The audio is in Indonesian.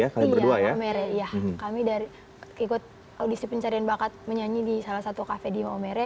kami ikut audisi pencarian bakat menyanyi di salah satu kafe di maomere